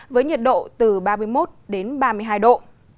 với nhiệt độ từ ba mươi một đến ba mươi hai độ